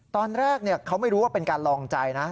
ตอนแรกเขาไม่รู้ว่าเป็นการลองใจนะ